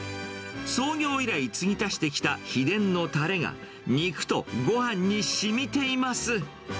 創業以来つぎ足してきた秘伝のたれが、肉とごはんにしみています。